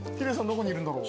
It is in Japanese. どこにいるんだろう。